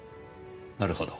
なるほど。